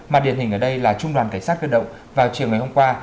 mà điển hình ở đây là trung đoàn cảnh sát cơ động vào chiều ngày hôm qua